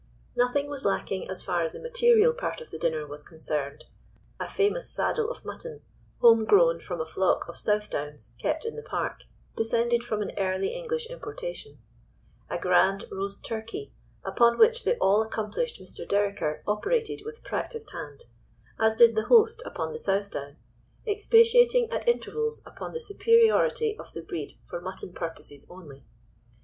Nothing was lacking as far as the material part of the dinner was concerned—a famous saddle of mutton, home grown from a flock of Southdowns kept in the park, descended from an early English importation; a grand roast turkey, upon which the all accomplished Mr. Dereker operated with practised hand, as did the host upon the Southdown, expatiating at intervals upon the superiority of the breed for mutton purposes only.